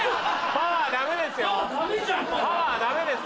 パワーダメです。